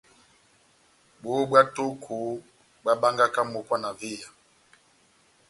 Bohó bwá tóko bohábángaka mókwa na véya.